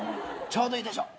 ちょうどいいでしょう。